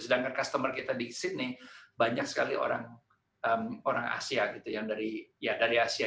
sedangkan customer kita di sydney banyak sekali orang asia gitu yang dari asia